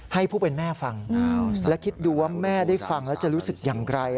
ให้ผู้เป็นแม่ฟังและคิดดูว่าแม่ได้ฟังแล้วจะรู้สึกอย่างไร